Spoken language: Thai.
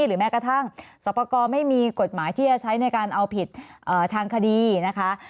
หรือแม้กระทั่งสอบประกอบไม่มีกฎหมายที่จะใช้ในการเอาผิดทางคดีนะคะ